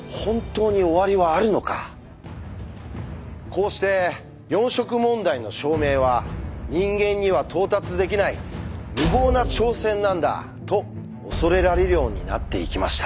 こうして四色問題の証明は人間には到達できない無謀な挑戦なんだと恐れられるようになっていきました。